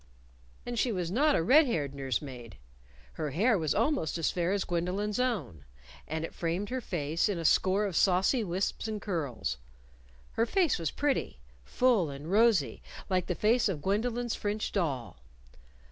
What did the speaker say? And she was not a red haired nurse maid. Her hair was almost as fair as Gwendolyn's own, and it framed her face in a score of saucy wisps and curls. Her face was pretty full and rosy, like the face of Gwendolyn's French doll.